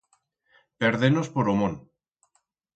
Perder-nos por o mont.